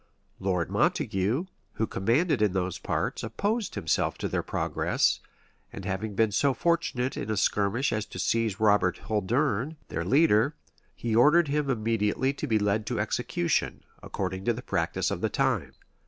Lord Montague, who commanded in those parts, opposed himself to their progress; and having been so fortunate in a skirmish as to seize Robert Hulderne, their leader, he ordered him immediately to be led to execution, according to the practice of the times.